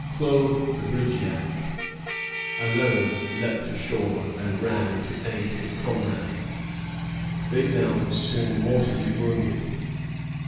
Claude de Brigeac alone leaped ashore and ran to aid his comrades. Vignal was soon mortally wounded.